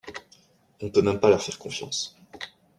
on peut même pas leur faire confiance.